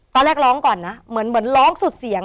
ตอนแรกร้องก่อนนะเหมือนร้องสุดเสียง